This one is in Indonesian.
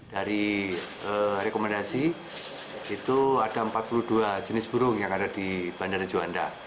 dari rekomendasi itu ada empat puluh dua jenis burung yang ada di bandara juanda